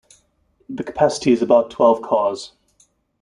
The capacity is about twelve cars.